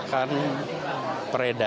kami juga ingin merasakan kesempatan hidup